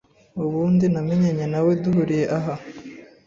ubundi namenyanye na we duhuriyeaha